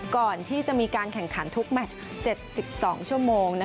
ก่อนที่จะมีการแข่งขันทุกแมช๗๒ชั่วโมง